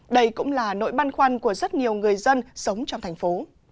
đây cũng là nỗi băn khoăn của rất nhiều người dân sống trong thành phố